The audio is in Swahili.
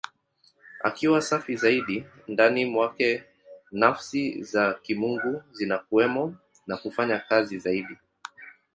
Akiwa safi zaidi, ndani mwake Nafsi za Kimungu zinakuwemo na kufanya kazi zaidi.